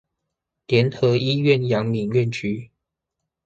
聯合醫院陽明院區